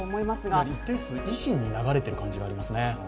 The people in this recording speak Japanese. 一定数、維新に流れている感じはありますね。